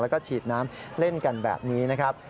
แล้วก็ฉีดน้ำเล่นกันแบบนี้นะครับ